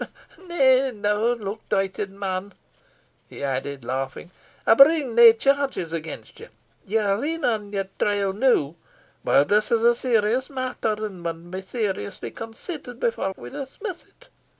Nay, never look doited, man," he added, laughing, "I bring nae charges against you. Ye arena on your trial noo. But this is a serious matter, and maun be seriously considered before we dismiss it.